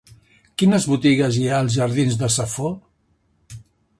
Quines botigues hi ha als jardins de Safo?